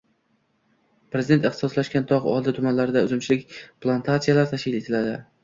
Prezident: ixtisoslashgan tog‘ oldi tumanlarida uzumchilik plantatsiyalari tashkil etiladi